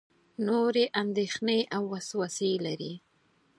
نورې اندېښنې او وسوسې لري.